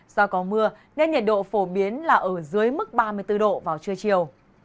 do có mưa nên nhiệt độ phổ biến là ở dưới mức ba mươi bốn độ vào trưa chiều